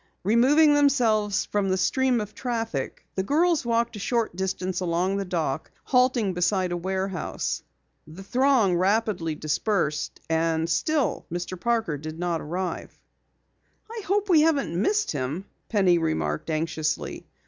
Removing themselves from the stream of traffic, the girls walked a short distance along the dock, halting beside a warehouse. The throng rapidly dispersed, and still Mr. Parker did not arrive. "I hope we haven't missed him," Penny remarked anxiously.